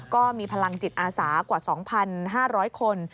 ก็มีพลังจิตอาสากว่า๒๕๐๐คน